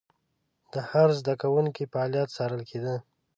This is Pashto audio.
د هر زده کوونکي فعالیت څارل کېده.